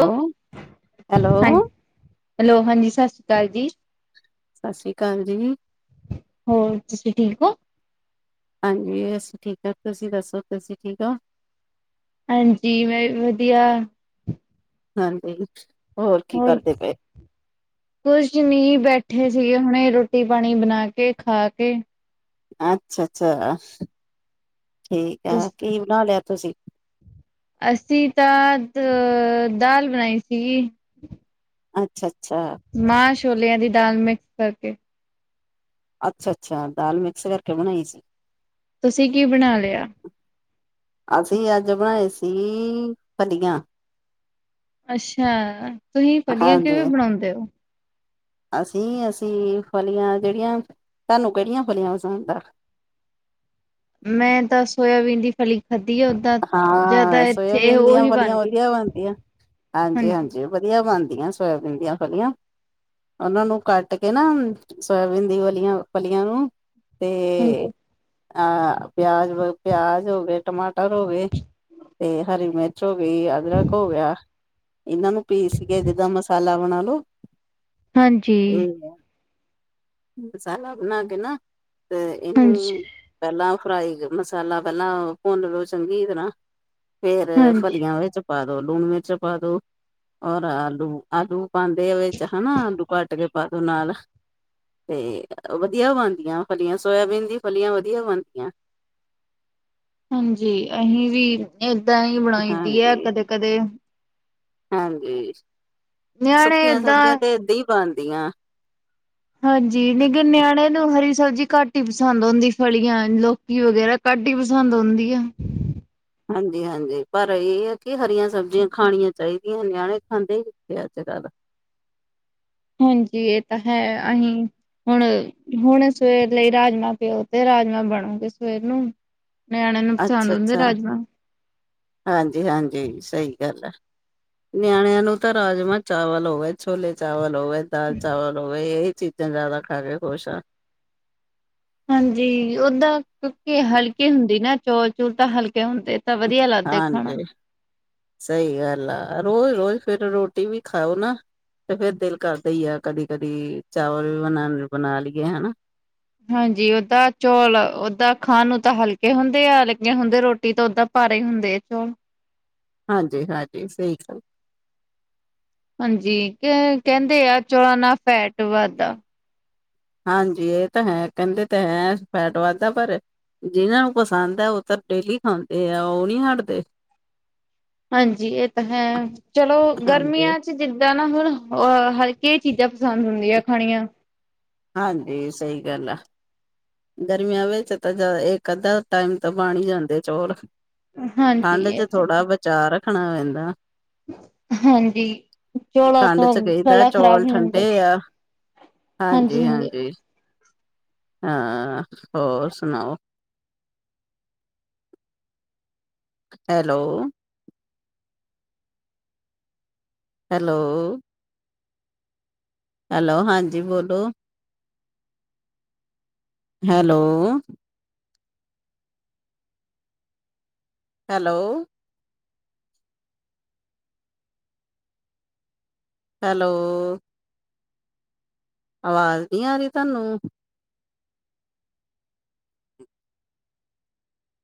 Hello, hello ਹਾਂ hello hello ਹਾਂਜੀ। ਸਸਰੀ ਕਾਲ ਜੀ। ਸਸਰੀ ਕਾਲ ਜੀ। ਹੋਰ ਤੁਸੀ ਠੀਕ ਹੋ? ਹਾਂਜੀ ਅਸੀ ਠੀਕ ਆ। ਤੁਸੀ ਦੱਸੋ ਤੁਸੀਂ ਠੀਕ ਹੋ? ਹਾਂਜੀ ਮੈਂ ਵਧੀਆ। ਹਾਂਜੀ, ਹੋਰ ਕੀ ਕਰਦੇ ਪਏ ਓ? ਕੁਛ ਨਹੀਂ ਬੈਠੇ ਸੀਗੇ ਹੁਣੇ ਰੋਟੀ ਪਾਣੀ ਬਣਾ ਕੇ, ਖਾ ਕੇ। ਅੱਛਾ-ਅੱਛਾ। ਠੀਕ ਆ ਕੀ ਬਣਾ ਲਿਆ ਤੁਸੀ। ਅਸੀ ਤਾਂ ਅ ਦਾਲ ਬਣਾਈ ਸੀਗੀ। ਅੱਛਾ-ਅੱਛਾ। ਮਾਂਹ ਛੋਲਿਆਂ ਦੀ ਦਾਲ ਮਿਕਸ ਕਰਕੇ। ਅੱਛਾ-ਅੱਛਾ। ਦਾਲ ਮਿਕਸ ਕਰਕੇ ਬਣਾਈ ਸੀ। ਤੁਸੀ ਕੀ ਬਣਾ ਲਿਆ? ਅਸੀਂ ਅੱਜ ਬਣਾਏ ਸੀ ਫਲੀਆਂ। ਅੱਛਾ, ਤੁਸੀ ਫਲੀਆਂ ਕਿਵੇਂ ਬਣਾਉਦੇ ਹੋ। ਅਸੀ-ਅਸੀ ਫਲੀਆਂ ਜਿਹੜੀਆਂ ਤੁਹਾਨੂੰ ਕਿਹੜੀਆਂ ਫਲੀਆਂ ਪਸੰਦ ਆ। ਮੈਂ ਤਾਂ ਸੋਇਬੀਨ ਦੀ ਫਲੀ ਖਾਧੀ ਆ ਓਦਾਂ ਜਿਆਦਾ ਹਾਂ ਇੱਥੇ ਇਹ ਸੋਇਆਬੀਨ ਦੀਆਂ ਉਹੀ ਫਲੀਆਂ ਬਣ ਦੀ। ਵਧੀਆ ਬਣਦੀਆਂ। ਹਾਂਜੀ ਹਾਂਜੀ-ਹਾਂਜੀ ਵਧੀਆ ਬਣਦੀਆਂ ਸੋਇਆਬੀਨ ਦੀਆਂ ਫਲੀਆਂ। ਉਹਨਾਂ ਨੂੰ ਕੱਟ ਕੇ ਨਾ ਸੋਇਬੀਨ ਦੀ ਵਾਲੀਆਂ ਫਲੀਆਂ ਨੂੰ। ਤੇ ਹਾਂਜੀ ਅਹ ਪਿਆਜ-ਪਿਆਜ ਹੋਗੇ ਟਮਾਟਰ, ਟਮਾਟਰ ਹੋ ਗਏ ਤੇ ਹਰੀ ਮਿਰਚ ਹੋ ਗਈ ਅਦਰਕ ਹੋ ਗਿਆ। ਇਹਨਾਂ ਨੂੰ ਪੀਸ ਕੇ ਜਿੱਦਾਂ ਮਸਾਲਾ ਬਣਾ ਲੋ‌। ਹਾਂਜੀ ਮਸਾਲਾ ਬਣਾ ਕੇ ਨਾ ਤੇ ਹਾਂਜੀ ਇਹਨੂੰ ਪਹਿਲਾਂ ਫਰਾਈ ਮਸਾਲਾ ਪਹਿਲਾਂ ਭੁੰਨ ਲਓ ਚੰਗੀ ਤਰ੍ਹਾਂ। ਫਿਰ ਹਾਂਜੀ ਫਲੀਆਂ ਉਹਦੇ ਚ ਪਾ ਦੋ ਲੂਣ ਮਿਰਚ ਪਾ ਦੋ। ਔਰ ਆਲੂ-ਆਲੂ ਪਾਂਦੇ ਆ ਵਿੱਚ ਹਨਾ, ਆਲੂ ਕੱਟ ਕੇ ਪਾਦੋ ਨਾਲ। ਤੇ ਵਧੀਆ ਬਣਦੀਆਂ ਫਲੀਆਂ ਸੋਇਬੀਨ ਦੀ ਫਲੀਆਂ ਵਧੀਆ ਬਣਦੀਆਂ। ਹਾਂਜੀ, ਅਸੀਂ ਵੀ ਏਦਾਂ ਹੀ ਬਣਾਈ ਦੀ ਐ ਹਾਂਜੀ, ਕਦੇ-ਕਦੇ। ਹਾਂਜੀ। ਨਿਆਣੇ ਸੁੱਕੀਆਂ ਏਦਾਂ ਸਬਜ਼ੀਆਂ ਤੇ ਏਦਾਂ ਹੀ ਬਣਦੀਆਂ। ਹਾਂਜੀ, ਲੇਕਿਨ ਨਿਆਣਿਆਂ ਨੂੰ ਹਰੀ ਸਬਜ਼ੀ ਘੱਟ ਹੀ ਪਸੰਦ ਆਉਦੀ ਫਲੀਆਂ ਲੋ। ਕੀ ਵਗੈਰਾ ਕੱਟ ਹੀ ਪਸੰਦ ਆਉਦੀ ਐ। ਹਾਂਜੀ ਹਾਂਜੀ। ਪਰ ਇਹ ਏ ਕਿ ਹਰੀਆਂ ਸਬਜ਼ੀਆਂ ਖਾਣੀਆਂ ਚਾਹੀਦੀਆਂ ਨਿਆਣੇ ਖਾਂਦੇ ਹੀ ਕਿੱਥੇ ਅੱਜ-ਕੱਲ੍ਹ। ਹਾਂਜੀ ਇਹ ਤਾਂ ਏ ਅਸੀ ਹੁਣ ਹੁਣ ਸਵੇਰ ਲਈ ਰਾਜਮਾਂ ਪਿਓ ਤੇ ਰਾਜਮਾਂ ਬਣੋਗੇ ਸਵੇਰ ਨੂੰ। ਨਿਆਣਿਆਂ ਨੂੰ ਪਸੰਦ ਹੁੰਦੇ ਅੱਛਾ-ਅੱਛਾ। ਰਾਜਮਾਂ। ਹਾਂਜੀ ਹਾਂਜੀ ਸਹੀ ਗੱਲ ਆ। ਨਿਆਣਿਆਂ ਨੂੰ ਤਾਂ ਰਾਜਮਾਂ ਚਾਵਲ ਹੋਵੇ ਛੋਲੇ ਚਾਵਲ ਹੋਵੇ ਦਾਲ ਚਾਵਲ ਹੋਵੇ ਇਹੀ ਚੀਜ਼ਾਂ ਜ਼ਿਆਦਾ ਖਾ ਕੇ ਖੁਸ਼ ਆ। ਹਾਂਜੀ, ਓਦਾਂ ਕਿਉਂਕਿ ਹਲਕੇ ਹੁੰਦੀ ਨਾ ਚੌਲ ਚੂਲ ਤਾਂ ਹਲਕੇ ਹੁੰਦੇ। ਤਾਂ ਵਧੀਆ ਲੱਗਦੇ ਖਾਣਾ। ਹਾਂਜੀ। ਸਹੀ ਗੱਲ ਆ। ਰੋਜ਼-ਰੋਜ਼ ਫਿਰ ਰੋਟੀ ਵੀ ਖਾਓ ਨਾ ਤੇ ਫਿਰ ਦਿਲ ਕਰਦੇ ਹੀ ਆ ਕਦੀ ਕਦੀ ਚਾਵਲ ਵੀ ਬਣਾ ਬਣਾ ਲਈਏ ਹਨਾ। ਹਾਂਜੀ, ਓਦਾ ਚੌਲ ਓ ਖਾਣ ਨੂੰ ਤਾਂ ਹਲਕੇ ਹੁੰਦੇ ਆ ਲੱਗੇ ਹੁੰਦੇ ਆ। ਰੋਟੀ ਤਾਂ ਓਦਾਂ ਭਾਰੇ ਹੁੰਦੇ ਆ ਚੌਲ। ਹਾਂਜੀ-ਹਾਂਜੀ ਸਹੀ ਗੱਲ। ਹਾਂਜੀ ਕਹਿੰਦੇ ਆ ਚੌਲਾਂ ਨਾਲ ਫੈਟ ਵੱਧਦਾ। ਹਾਂਜੀ ਇਹ ਤਾਂ ਹੈ ਕਹਿੰਦੇ ਤਾਂ ਹੈ ਫੈਟ ਵੱਧਦਾ ਪਰ ਜਿਹਨਾਂ ਨੂੰ ਪਸੰਦ ਆ ਉਹ ਤਾਂ ਡੇਲੀ ਖਾਂਦੇ ਆ ਉਹ ਨਹੀਂ ਹਟਦੇ ਹਾਂਜੀ ਇਹ ਤਾਂ ਹੈ ਚਲੋ ਹਾਂਜੀ। ਗਰਮੀਆਂ ਚ ਜਿੱਦਾਂ ਨਾ ਹੁਣ ਅ ਹਲ ਕੀ ਚੀਜ਼ਾਂ ਪਸੰਦ ਹੁੰਦੀਆਂ ਖਾਣੀਆਂ। ਹਾਂਜੀ ਸਹੀ ਗੱਲ ਆ। ਗਰਮੀਆਂ ਵਿੱਚ ਤਾਂ ਚੱਲ ਇੱਕ-ਅੱਧਾ ਟਾਈਮ ਤਾਂ ਬਣ ਈ ਜਾਂਦੇ ਆਂ ਚੋਲ। ਹਾਂਜੀ ਠੰਡ ਇਹ ਚ ਤਾਂ ਥੋੜ੍ਹਾ ਬਚਾਅ ਰੱਖਣਾ ਪੈਂਦਾ। ਹਾਂਜੀ ਚੌਲਾਂ ਠੰਡ ਤੋਂ ਚ ਕਹੀਦਾ ਗਲਾ ਖ਼ਰਾਬ ਚੌਲ ਨੀ ਠੰਡੇ ਹੁੰਦਾ ਆ। ਹਾਂਜੀ ਹਾਂਜੀ ਹਾਂਜੀ-ਹਾਂਜੀ। ਹਾਂ ਹੋਰ ਸੁਣਾਓ? ਹੈਲੋ। ਹੈਲੋ। ਹੈਲੋ ਹਾਂਜੀ ਬੋਲੋ? ਹੈਲੋ। ਹੈਲੋ। ਹੈਲੋ। ਆਵਾਜ਼ ਨਹੀਂ ਆ ਰਹੀ ਤੁਹਾਨੂੰ।